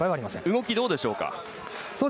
動きどうでしょうか。